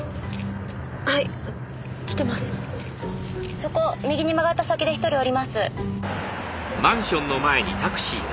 そこ右に曲がった先で１人降ります。